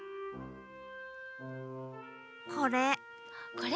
これ。